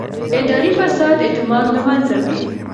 اداري فساد اعتماد له منځه وړي